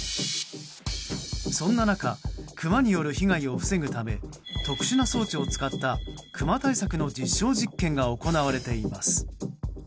そんな中クマによる被害を防ぐため特殊な装置を使ったクマ対策の実証実験が行われています。